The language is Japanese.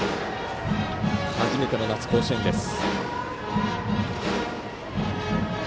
初めての夏、甲子園です。